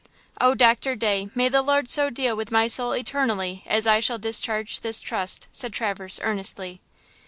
"Oh, Doctor Day, may the Lord so deal with my soul eternally as I shall discharge this trust," said Traverse, earnestly.